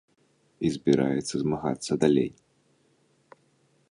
І збіраецца змагацца далей.